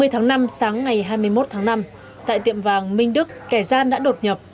hai mươi tháng năm sáng ngày hai mươi một tháng năm tại tiệm vàng minh đức kẻ gian đã đột nhập